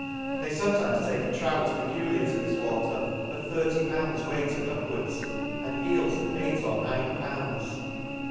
— They fometimes take a trout pe culiar to this crater, of thirty pounds weight and upwards, and eels of eight or nine pounds.